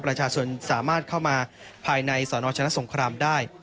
ประชาชนสามารถเข้ามาภายในสนชนะสงครามได้